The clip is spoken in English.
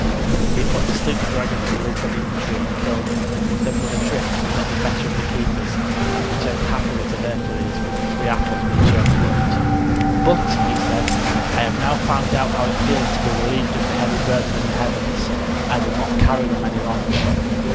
He put to sleep the dragon who lived beneath the tree and killed him. Then with a trick he got the better of the keepers, and returned happily to Hercules with the three apples which he had plucked. "But," he said, "I have now found out how it feels to be relieved of the heavy burden of the heavens. I will not carry them any longer."